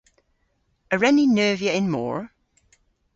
A wren ni neuvya y'n mor?